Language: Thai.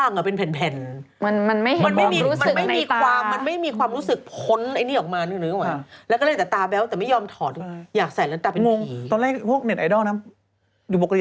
ก็มีความเป็นวิทยาศาสตร์มาก